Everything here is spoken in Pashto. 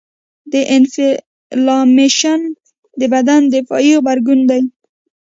د انفلامیشن د بدن دفاعي غبرګون دی.